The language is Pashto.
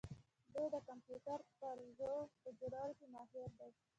دوی د کمپیوټر پرزو په جوړولو کې ماهر دي.